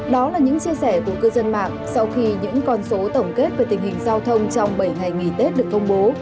đó là những chia sẻ của cư dân mạng sau khi những con số tổng kết về tình hình giao thông trong bảy ngày nghỉ tết được công bố